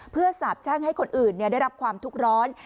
เพื่อสาบแช่งให้คนอื่นได้รับความทุกข์ร้อน